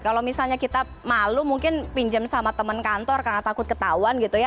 kalau misalnya kita malu mungkin pinjam sama teman kantor karena takut ketahuan gitu ya